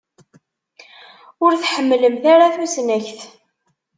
Ur tḥemmlemt ara tusnakt.